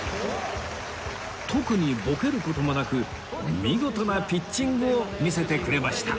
特にボケる事もなく見事なピッチングを見せてくれました